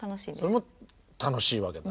それも楽しいわけだ。